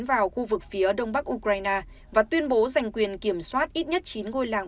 vào khu vực phía đông bắc ukraine và tuyên bố giành quyền kiểm soát ít nhất chín ngôi làng